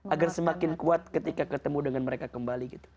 agar semakin kuat ketika ketemu dengan mereka kembali gitu